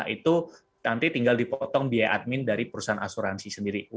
itu nanti tinggal dipotong biaya admin dari perusahaan asuransi sendiri